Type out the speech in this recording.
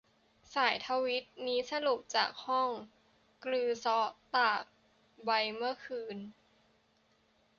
สายทวีตนี้สรุปจากห้อง กรือเซะ ตากใบ เมื่อคืน